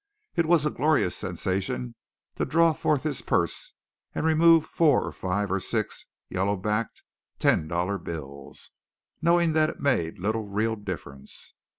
It was a glorious sensation to draw forth his purse and remove four or five or six yellow backed ten dollar bills, knowing that it made little real difference.